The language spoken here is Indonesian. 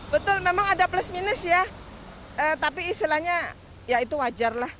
betul memang ada plus minus ya tapi istilahnya ya itu wajar lah